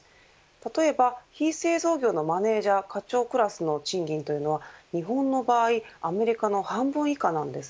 例えば、非製造業のマネジャー課長クラスの賃金は日本の場合アメリカの半分以下なんです。